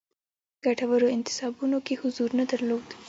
ګټورو انتصابونو کې حضور نه درلود.